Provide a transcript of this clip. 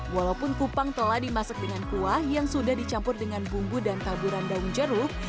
walaupun kupang telah dimasak dengan kuah yang sudah dicampur dengan bumbu dan taburan daun jeruk